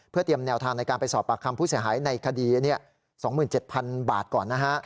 เพื่อเตรียมแนวทางในการไปสอบปากคำผู้เสียหายในคดี๒๗๐๐บาทก่อนนะฮะ